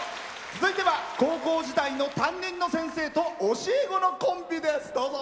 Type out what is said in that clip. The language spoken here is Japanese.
続いては高校時代の担任の先生と教え子のコンビです。